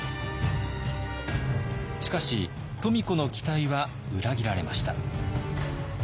しかし富子の期待は裏切られました。